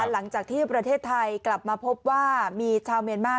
หลังจากที่ประเทศไทยกลับมาพบว่ามีชาวเมียนมาร์